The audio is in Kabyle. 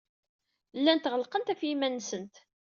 Llant ɣellqent ɣef yiman-nsent.